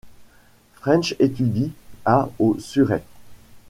French étudie à au Surrey.